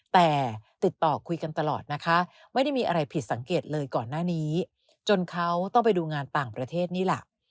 แต่ติดต่อคุยกันตลอดนะคะไม่ได้มีอะไรผิดสังเกตเลยก่อนหน้านี้จนเขาต้องไปดูงานต่างประเทศนี่แหละ